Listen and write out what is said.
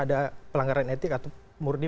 ada pelanggaran etik atau murni